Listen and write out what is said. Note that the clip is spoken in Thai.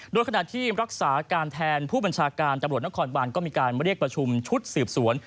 โดยขณะที่รักษาการแทนผู้บัญชาการตำรวจนครบานก็มีการเรียกประชุมชุดสืบสวน